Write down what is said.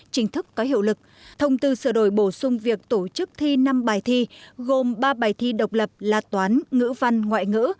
chính thức có hiệu lực thông tư sửa đổi bổ sung việc tổ chức thi năm bài thi gồm ba bài thi độc lập là toán ngữ văn ngoại ngữ